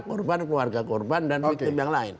korban keluarga korban dan hukum yang lain